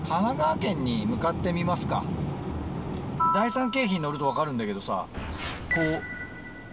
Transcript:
第三京浜乗ると分かるんだけどさこう。